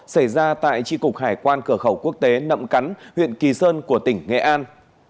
xảy ra tại tri cục hải quan cửa khẩu quốc tế nậm cắn huyện kỳ sơn của tỉnh nghệ an